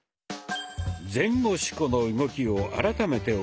「前後四股」の動きを改めてお見せしましょう。